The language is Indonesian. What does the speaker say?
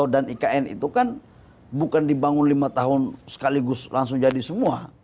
dan ikn itu kan bukan dibangun lima tahun sekaligus langsung jadi semua